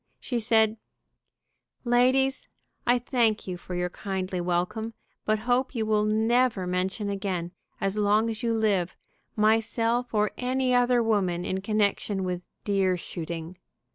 She said: "Ladies, I thank you for your kindly welcome, but hope you will never mention again, as long as you live, myself or any other woman in connection with deer shooting.